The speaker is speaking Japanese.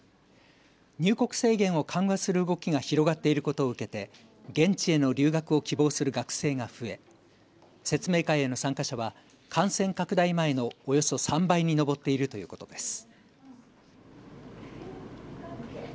入国制限を緩和する動きが広がっていることを受けて現地への留学を希望する学生が増え説明会への参加者は感染拡大前のおよそ３倍に上っているということです。